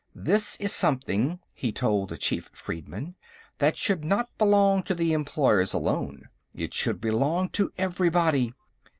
"This is something," he told the chief freedmen, "that should not belong to the Employers alone. It should belong to everybody.